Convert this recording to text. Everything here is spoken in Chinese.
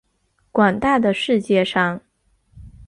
广大的世界上